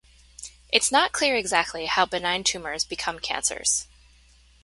It's not clear exactly how benign tumors become cancers.